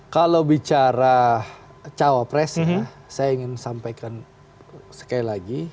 kalau bicara cawa pres ya saya ingin sampaikan sekali lagi